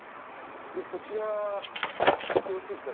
こちらよろしいですか？